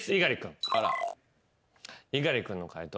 猪狩君の解答